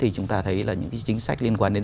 chúng ta thấy những chính sách liên quan đến